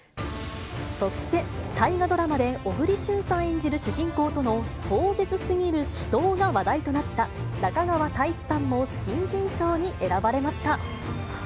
そして、大河ドラマで小栗旬さん演じる主人公との壮絶すぎる死闘が話題となった、中川大志さんも新人賞に選ばれました。